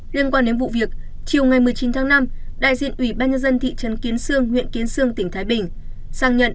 liên quan đến vụ việc chiều một mươi chín tháng năm đại diện ubnd thị trấn kiến sương huyện kiến sương tỉnh thái bình